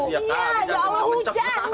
iya ya allah ujah ujah